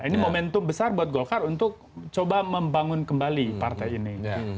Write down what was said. ini momentum besar buat golkar untuk coba membangun kembali partai ini